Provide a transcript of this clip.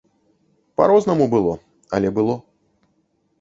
Па-рознаму было, але было.